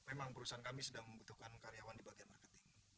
memang perusahaan kami sedang membutuhkan karyawan di bagian marketing